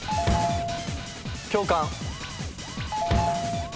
教官。